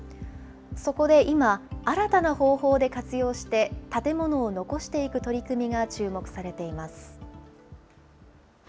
そこで今、新たな方法で活用して、建物を残していく取り組みが注目されています。